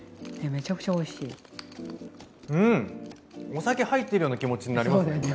お酒入ってるような気持ちになりますね。